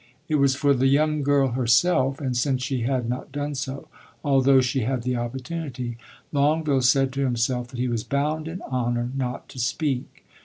It was for the young girl herself, and since she had not done so although she had the opportunity Longueville said to himself that he was bound in honor not to speak.